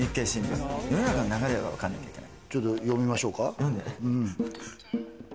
世の中の流れがわかんないといけない。